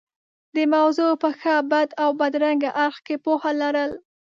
د موضوع په ښه، بد او بدرنګه اړخ کې پوهه لرل.